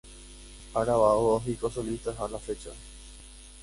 Ha grabado dos discos solistas a la fecha.